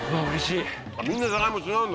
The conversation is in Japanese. みんなじゃがいも違うんだ。